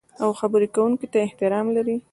او خبرې کوونکي ته احترام لرئ.